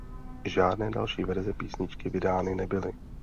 Žádné další verze písničky vydány nebyly.